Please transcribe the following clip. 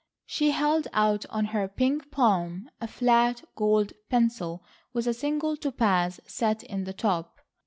She held out on her pink palm a flat gold pencil with a single topaz set in the top.